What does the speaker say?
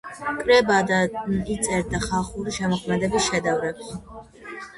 კრებდა და იწერდა ხალხური შემოქმედების შედევრებს.